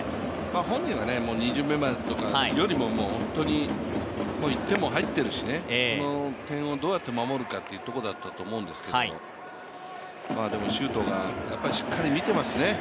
本人は２巡目までとかよりも１点も入っていますからね、この点をどうやって守るかというところだったと思うんですけど、でも周東がしっかり見てますね。